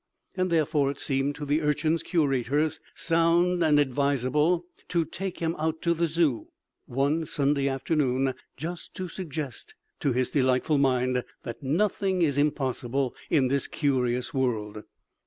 And therefore it seemed to the Urchin's curators sound and advisable to take him out to the Zoo one Sunday afternoon just to suggest to his delightful mind that nothing is impossible in this curious world.